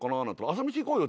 「朝飯行こうよ」